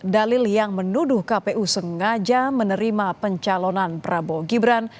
dalil yang menuduh kpu sengaja menerima pencalonan prabowo gibran